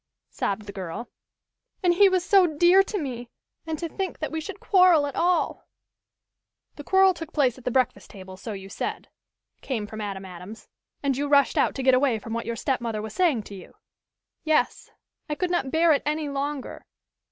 sobbed the girl. "And he was so dear to me! And to think that we should quarrel at all " "The quarrel took place at the breakfast table, so you said," came from Adam Adams. "And you rushed out to get away from what your stepmother was saying to you?" "Yes. I could not bear it any longer."